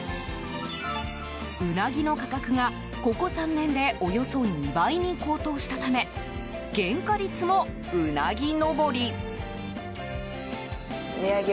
ウナギの価格がここ３年でおよそ２倍に高騰したため原価率もうなぎ登り。